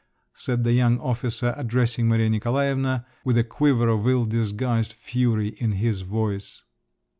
said the young officer addressing Maria Nikolaevna with a quiver of ill disguised fury in his voice.